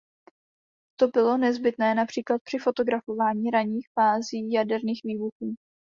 To bylo nezbytné například při fotografování raných fází jaderných výbuchů.